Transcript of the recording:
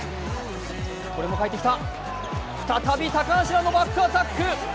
これも返ってきた、再び高橋藍のバックアタック！